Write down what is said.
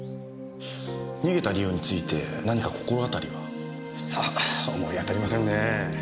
逃げた理由について何か心当たりは？さあ思い当たりませんねぇ。